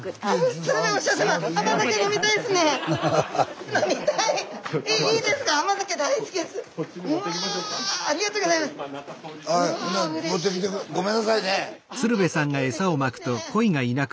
はい。